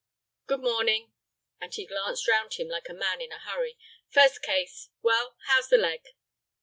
"Good morning," and he glanced round him like a man in a hurry; "first case. Well, how's the leg?"